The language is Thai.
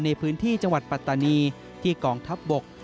ในพื้นที่จังหวัดปัตตานีที่กองทัพบก